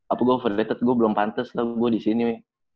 apa gua overrated gua belum pantes lah gua di sini